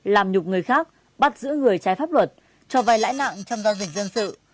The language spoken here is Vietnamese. làm nhục người khác bắt giữ người trái pháp luật cho vai lãi nặng trong giao dịch dân sự